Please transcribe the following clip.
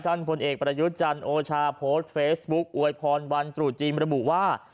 พลเอกประยุทธ์จันทร์โอชาโพสต์เฟซบุ๊คอวยพรวันตรุษจีนระบุว่า